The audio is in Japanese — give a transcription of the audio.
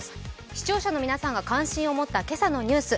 視聴者の皆さんが感心を持った今朝のニュース